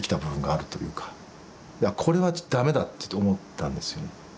これは駄目だって思ったんですよ。